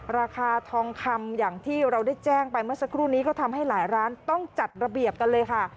ราคาทองคำอย่างที่เราได้แจ้งไปเมื่อสักครู่นี้ก็ทำให้หลายร้านต้องจัดระเบียบกันเลยค่ะ